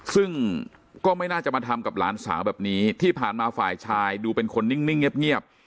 ซึ่งก็ไม่น่าจะมาทำกับหลานสาวแบบนี้ที่ผ่านมาฝ่ายชายดูเป็นคนนิ่งเงียบ